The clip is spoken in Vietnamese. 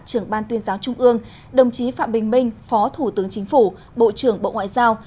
trưởng ban tuyên giáo trung ương đồng chí phạm bình minh phó thủ tướng chính phủ bộ trưởng bộ ngoại giao